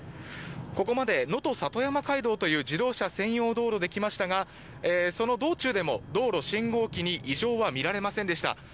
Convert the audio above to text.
ここまでのと里山海道という自動車専用道路で来ましたがその道中でも道路、信号機に異常は見られませんでした。